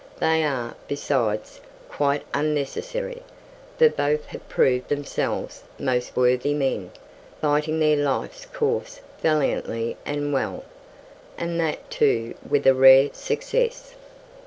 They are, besides, quite unnecessary, for both have proved themselves most worthy men, fighting their life's course valiantly and well, and that, too, with a rare success.